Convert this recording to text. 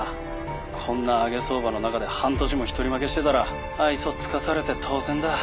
こんな上げ相場の中で半年も一人負けしてたら愛想尽かされて当然だ。